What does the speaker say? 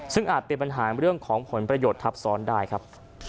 ซึ่งอาจเป็นปัญหาเรื่องของผลประโยชน์ทับซ้อนได้ครับ